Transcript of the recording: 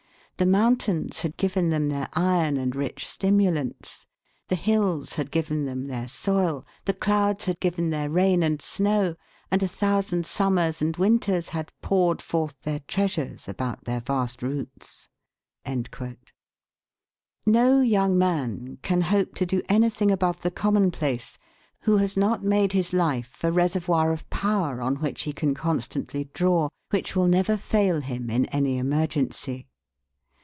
The mountains had given them their iron and rich stimulants, the hills had given them their soil, the clouds had given their rain and snow, and a thousand summers and winters had poured forth their treasures about their vast roots." No young man can hope to do anything above the commonplace who has not made his life a reservoir of power on which he can constantly draw, which will never fail him in any emergency.